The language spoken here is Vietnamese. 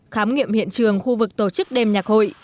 khám nghiệm hiện trường khu vực tổ chức đêm nhạc hội